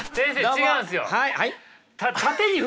違うんですか？